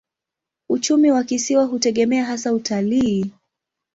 Uchumi wa kisiwa hutegemea hasa utalii.